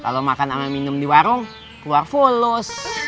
kalau makan ame minum di warung keluar full loss